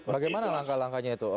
bagaimana langkah langkahnya itu